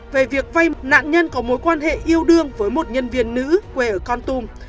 về việc vay nạn nhân có mối quan hệ yêu đương với một nhân viên nữ quê ở con tùm